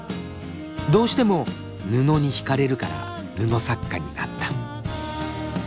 どうしても布に惹かれるから布作家になった。